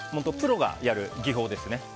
プロがやる技法ですね。